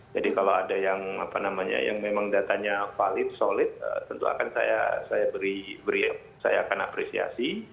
jadi kalau ada yang apa namanya yang memang datanya valid solid tentu akan saya beri saya akan apresiasi